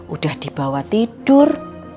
udah dibawa tidur